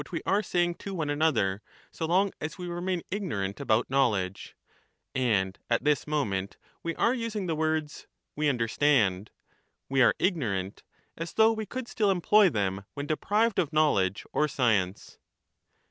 we are sajang to one another, so long as we remain ignorant about knowledge; and at this moment we are using the words 'we understand,' *we are ignorant,' as though we could still employ them when deprived of knowledge or science.